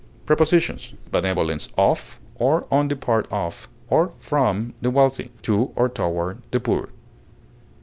Prepositions: Benevolence of, on the part of, or from the wealthy, to or toward the poor.